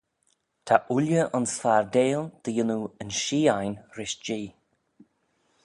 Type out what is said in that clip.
Ta ooilley ayns fardail dy yannoo yn shee ain rish Jee.